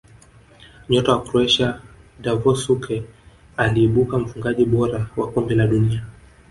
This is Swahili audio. nyota wa croatia davor suker aliibuka mfungaji bora wa kombe la dunia